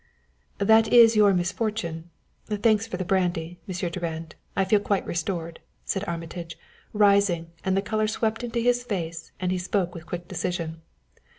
"That is your misfortune! Thanks for the brandy, Monsieur Durand. I feel quite restored," said Armitage, rising; and the color swept into his face and he spoke with quick decision.